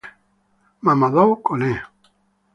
Mamadou Koné